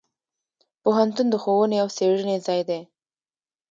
پوهنتون د ښوونې او څیړنې ځای دی.